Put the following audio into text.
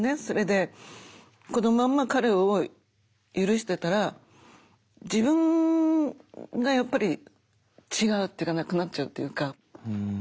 それでこのまんま彼を許してたら自分がやっぱり違うっていうかなくなっちゃうっていうか。